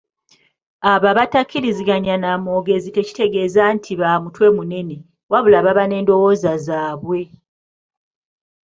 Abo abatakkiriziganya na mwogezi tekitegeeza nti ba mutwe munene wabula baba n’endowooza zaabwe.